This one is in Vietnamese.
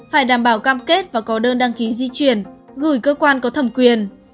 phải đảm bảo cam kết và có đơn đăng ký di chuyển gửi cơ quan có thẩm quyền